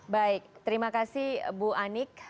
baik terima kasih bu anik